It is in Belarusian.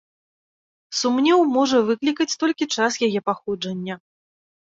Сумнеў можа выклікаць толькі час яе паходжання.